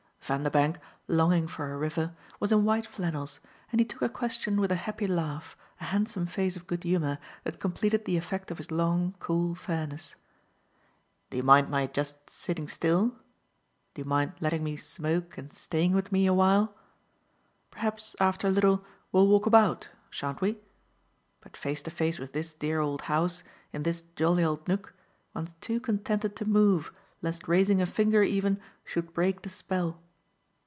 Vanderbank, longing for a river, was in white flannels, and he took her question with a happy laugh, a handsome face of good humour that completed the effect of his long, cool fairness. "Do you mind my just sitting still, do you mind letting me smoke and staying with me a while? Perhaps after a little we'll walk about shan't we? But face to face with this dear old house, in this jolly old nook, one's too contented to move, lest raising a finger even should break the spell.